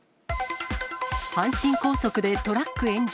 阪神高速でトラック炎上。